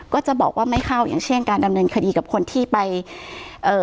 ก็จะบอกว่าไม่เข้าอย่างเช่นการดำเนินคดีกับคนที่ไปเอ่อ